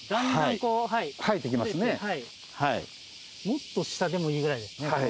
もっと下でもいいぐらいですね。